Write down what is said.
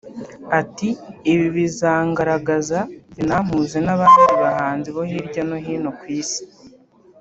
Ati “Ibi bizangaragaza binampuze n’abandi bahanzi bo hirya no hino ku Isi